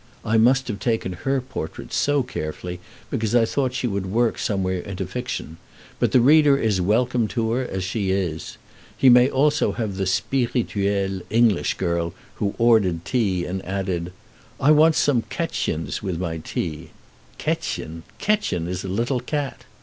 I must have taken her portrait so carefully because I thought she would work somewhere into fiction; but the reader is welcome to her as she is. He may also have the spirituelle English girl who ordered tea, and added, "I want some kätzchens with my tea." "Kätzchens! Kätzchen is a little cat."